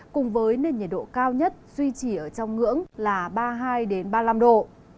cùng với nền nhiệt độ cao nhất duy trì ở trong ngưỡng là ba mươi hai ba mươi năm độ